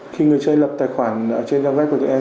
khi người chơi lập tài khoản trên trang web của tụi em